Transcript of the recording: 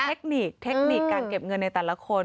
คือจะมีเทคนิคการเก็บเงินในแต่ละคน